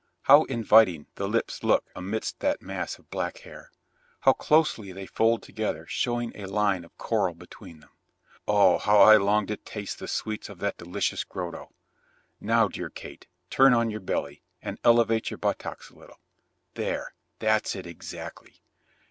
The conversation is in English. How inviting the lips look amidst that mass of black hair! How closely they fold together showing a line of coral between them! Oh, how I long to taste the sweets of that delicious grotto. Now, dear Kate, turn on your belly, and elevate your buttocks a little there, that's it exactly.